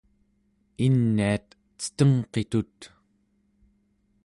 iniat cetengqitut